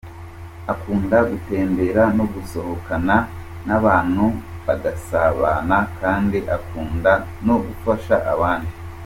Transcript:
Akunda gutembera no gusohokana n’abantu bagasabana kandi akunda no gufasha abandi.